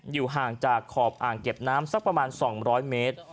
อยู่ห่างจากขอบอ่างเก็บน้ำสักประมาณ๒๐๐เมตร